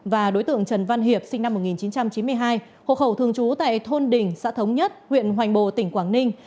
và đối tượng trần văn hiệp sinh năm một nghìn chín trăm chín mươi hai hộ khẩu thường trú tại thôn đình xã thống nhất huyện hoành bồ tỉnh quảng ninh